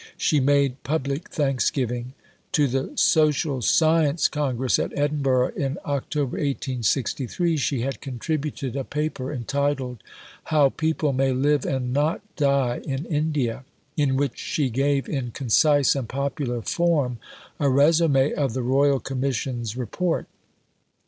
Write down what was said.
She made public thanksgiving. To the Social Science Congress at Edinburgh in October 1863, she had contributed a paper, entitled, "How People may Live and not Die in India," in which she gave, in concise and popular form, a résumé of the Royal Commission's Report.